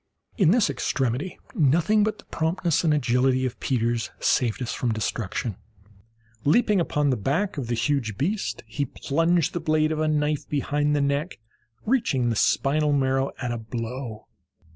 In this extremity nothing but the promptness and agility of Peters saved us from destruction. Leaping upon the back of the huge beast, he plunged the blade of a knife behind the neck, reaching the spinal marrow at a blow.